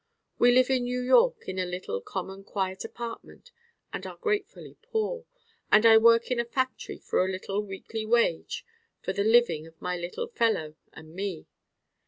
We live in New York in a little common quiet apartment and are gratefully poor, and I work in a factory for a little weekly wage for the living of my little fellow and me.